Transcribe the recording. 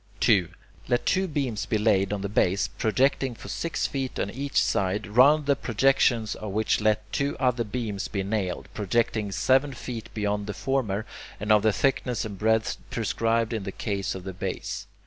2. Let two beams be laid on the base, projecting for six feet on each side, round the projections of which let two other beams be nailed, projecting seven feet beyond the former, and of the thickness and breadth prescribed in the case of the base.